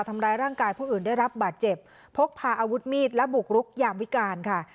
ทำร้ายร่างกายผู้อื่นได้รับบาดเจ็บพกพาอาวุธมีดและบุกรุกยามวิการค่ะ